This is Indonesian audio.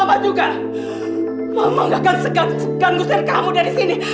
aku mau enggak akan seganggu seganggu kamu dari sini